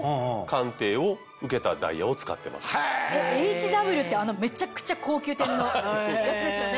ＨＷってあのめちゃくちゃ高級店のやつですよね？